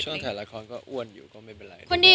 ถ่ายละครก็อ้วนอยู่ก็ไม่เป็นไร